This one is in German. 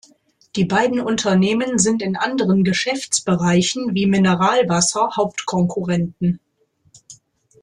Die beiden Unternehmen sind in anderen Geschäftsbereichen wie Mineralwasser Hauptkonkurrenten.